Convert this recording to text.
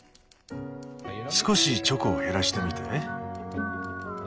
少しチョコを減らしてみて。